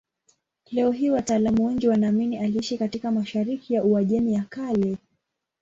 Leo hii wataalamu wengi wanaamini aliishi katika mashariki ya Uajemi ya Kale.